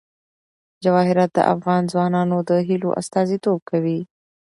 جواهرات د افغان ځوانانو د هیلو استازیتوب کوي.